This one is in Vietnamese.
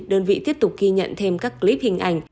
đơn vị tiếp tục ghi nhận thêm các clip hình ảnh